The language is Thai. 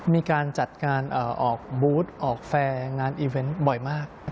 มีการจัดงานออกบูธออกแฟร์งานอีเวนต์บ่อยมาก